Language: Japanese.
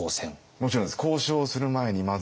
もちろんです。